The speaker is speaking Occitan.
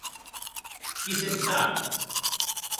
Qui se’n sap?